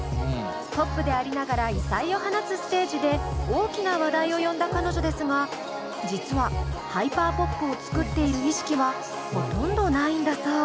ポップでありながら異彩を放つステージで大きな話題を呼んだ彼女ですが実はハイパーポップを作っている意識はほとんどないんだそう。